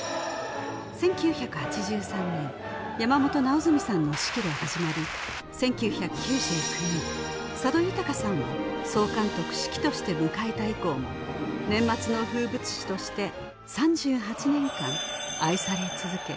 １９８３年山本直純さんの指揮で始まり１９９９年佐渡裕さんを総監督・指揮として迎えた以降も年末の風物詩として３８年間愛され続け